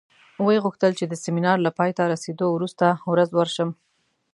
ویې غوښتل چې د سیمینار له پای ته رسېدو وروسته ورځ ورشم.